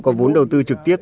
có vốn đầu tư trực tiếp